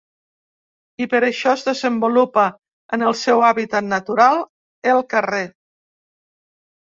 I, per això, es desenvolupa en el seu hàbitat natural, el carrer.